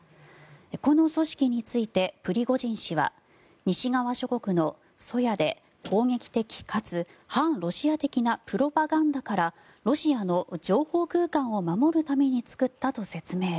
この組織についてプリゴジン氏は西側諸国の粗野で攻撃的かつ反ロシア的なプロパガンダからロシアの情報空間を守るために作ったと説明。